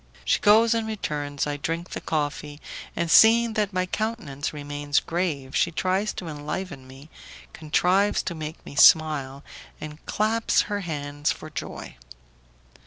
She goes and returns, I drink the coffee, and seeing that my countenance remains grave she tries to enliven me, contrives to make me smile, and claps her hands for joy.